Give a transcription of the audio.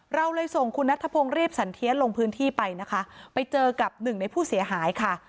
เราเลยส่งคุณนัทธพงศ์เรียบสันเทียนลงพื้นที่ไปนะคะไปเจอกับหนึ่งในผู้เสียหายค่ะ